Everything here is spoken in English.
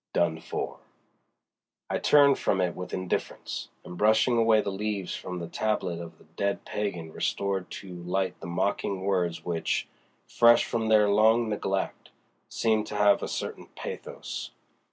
DONE FOR. I turned from it with indifference, and brushing away the leaves from the tablet of the dead pagan restored to light the mocking words which, fresh from their long neglect, seemed to have a certain pathos.